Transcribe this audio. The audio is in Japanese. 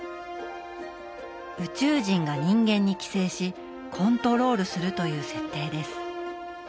宇宙人が人間に寄生しコントロールするという設定です。